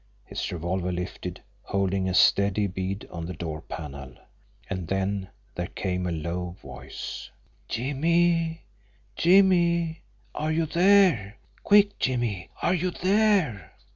His revolver lifted, holding a steady bead on the door panel. And then there came a low voice: "Jimmie! Jimmie! Are you there? Quick, Jimmie! Are you there?"